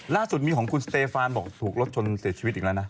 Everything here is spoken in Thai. ล่าสุดมีของคุณสเตฟานบอกถูกรถชนเสียชีวิตอีกแล้วนะ